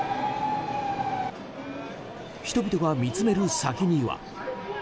人々が見つめる先には。